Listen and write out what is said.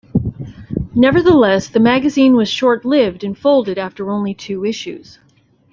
Nevertheless, the magazine was short-lived and folded after only two issues.